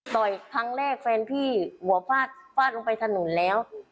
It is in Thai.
ครั้งแรกแฟนพี่หัวฟาดฟาดลงไปถนนแล้ว